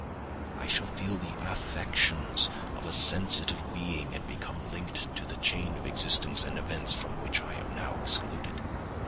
I shall feel the affections of a sensitive being and become linked to the chain of existence and events from which I am now excluded."